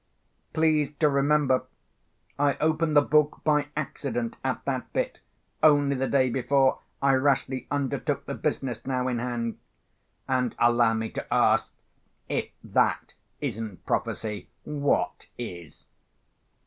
Please to remember, I opened the book by accident, at that bit, only the day before I rashly undertook the business now in hand; and, allow me to ask—if that isn't prophecy, what is?